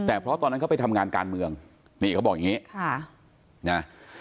แต่เพราะตอนนั้นเขาไปทำงานการเมืองนี่เขาบอกอย่างนี้ค่ะนะ